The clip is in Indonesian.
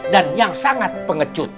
dan yang sangat pengecut